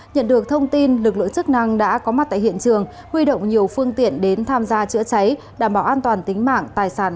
nhận được thông tin lực lượng chức năng đã có mặt tại hiện trường huy động nhiều phương tiện đến tham gia chữa cháy đảm bảo an toàn tính mạng tài sản